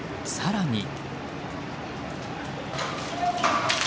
更に。